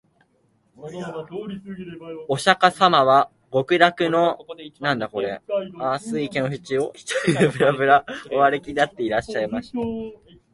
御釈迦様は極楽の蓮池のふちを、独りでぶらぶら御歩きになっていらっしゃいました